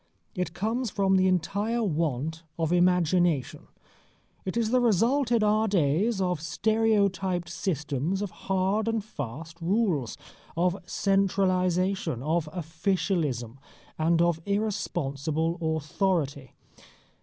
It comes from the entire want of imagination. It is the result in our days of stereotyped systems, of hard and fast rules, of centralisation, of officialism, and of irresponsible authority.